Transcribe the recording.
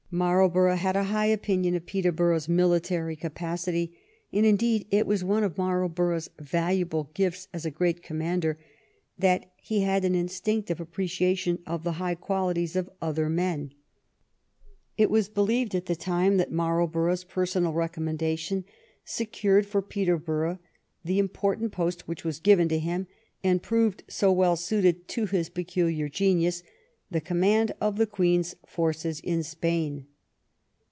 Marlborough had a high opinion of Peterborough's military capacity, and, indeed, it was one of Marlborough's valuable gifts as a great commander that he had an instinctive appre ciation of the high qualities of other men. It was 130 PETERBOROUGH IN SPAIN believed at the time that Marlborough's personal rec ommendation secured for Peterborough the important post which was given to him and proved so well suited to his peculiar genius — the command of the Queen's forces in Spain.